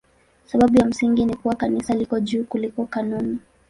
Sababu ya msingi ni kuwa Kanisa liko juu kuliko kanuni.